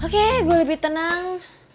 oke gue lebih tenang